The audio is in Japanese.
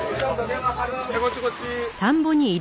こっちこっちー。